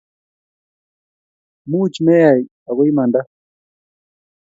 much meyal aku imanda